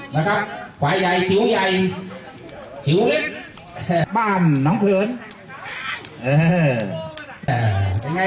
นะครับไขวใหญ่จิ๋วใหญ่จิ๋วเบ้อน้องเคิร์นเอ่อเห้อไง